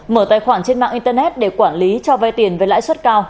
mở tài khoản trên mạng internet để quản lý cho vay tiền với lãi suất cao